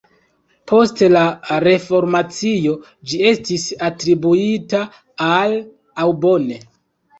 Post la reformacio ĝi estis atribuita al Aubonne.